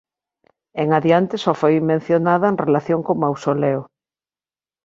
En adiante só foi mencionada en relación co mausoleo.